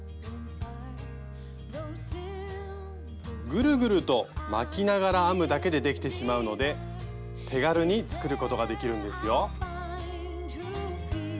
ぐるぐると巻きながら編むだけでできてしまうので手軽に作ることができるんですよ。